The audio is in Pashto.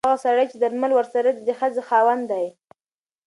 هغه سړی چې درمل ورسره دي د ښځې خاوند دی.